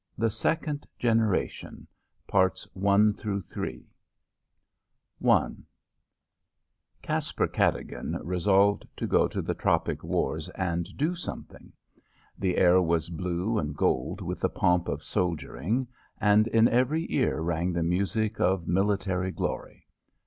THE SECOND GENERATION I Caspar Cadogan resolved to go to the tropic wars and do something. The air was blue and gold with the pomp of soldiering, and in every ear rang the music of military glory.